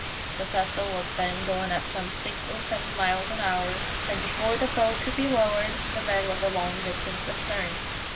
The vessel was then going at some six or seven miles an hour, and before the boat could be lowered the man was a long distance astern.